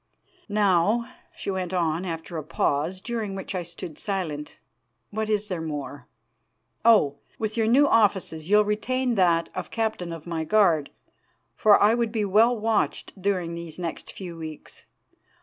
"Now," she went on after a pause, during which I stood silent, "what is there more? Oh! with your new offices, you'll retain that of captain of my guard, for I would be well watched during these next few weeks.